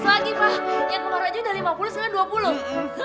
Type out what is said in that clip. yang baru aja udah lima puluh sekarang dua puluh